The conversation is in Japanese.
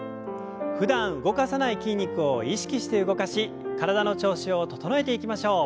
ふだん動かさない筋肉を意識して動かし体の調子を整えていきましょう。